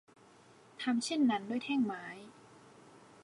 ทำเช่นนั้นด้วยแท่งไม้